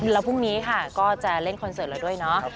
แล้วพรุ่งนี้ค่ะก็จะเล่นคอนเสิร์ตเราด้วยเนาะ